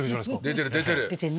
出てる出てる。